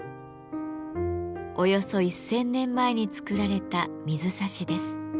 およそ１，０００年前に作られた水差しです。